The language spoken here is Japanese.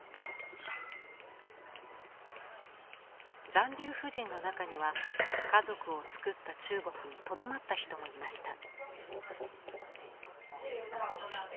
残留婦人の中には家族をつくった中国にとどまった人もいました。